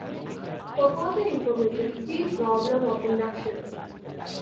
For further information, see Problem of induction.